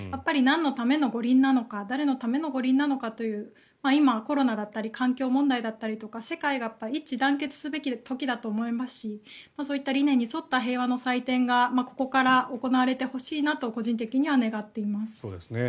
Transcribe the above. なんのための五輪なのか誰のための五輪なのかという今、コロナだったり環境問題だったり世界が一致団結すべき時だと思いますしそういった理念に沿った平和の祭典がここから行われてほしいなと個人的には願っています。